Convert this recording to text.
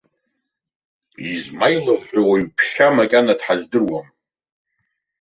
Измаилов ҳәа уаҩ-ԥшьа макьана дҳзадыруам.